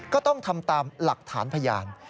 ก็ต้องทำตามหลักฐานพยาน